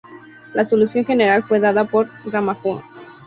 La solución general fue dada por Ramanujan.